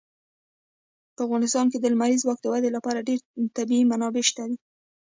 په افغانستان کې د لمریز ځواک د ودې لپاره ډېرې طبیعي منابع شته دي.